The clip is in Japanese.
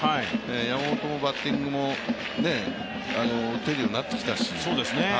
山本もバッティングも打てるようになってきたし。